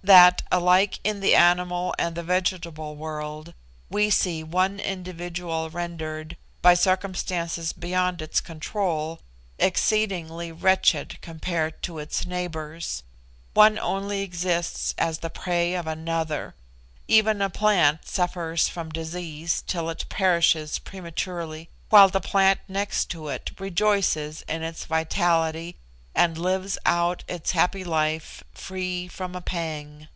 That, alike in the animal and the vegetable world, we see one individual rendered, by circumstances beyond its control, exceedingly wretched compared to its neighbours one only exists as the prey of another even a plant suffers from disease till it perishes prematurely, while the plant next to it rejoices in its vitality and lives out its happy life free from a pang.